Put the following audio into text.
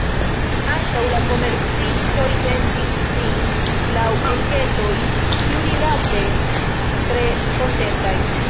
Ankaŭ la komercistoj sentis sin, laŭ enketoj, ĉiurilate tre kontentaj.